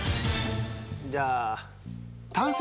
じゃあ。